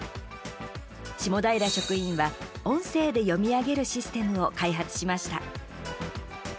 下平職員は音声で読み上げするシステムを開発しました。